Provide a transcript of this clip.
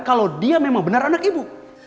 kalau dia memang benar anak ibu